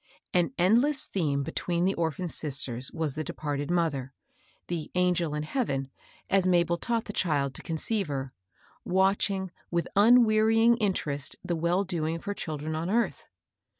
An endless theme between the orphan sisters was the departed .mother, the " angel in heaven," as Mabel taught the child to conceive her, watch ing with unwearying interest the well doing of her children on earth.